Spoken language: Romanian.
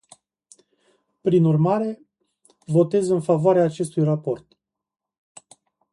Prin urmare, votez în favoarea acestui raport.